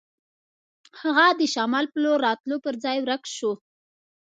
هغه د شمال په لور راتلو پر ځای ورک شو.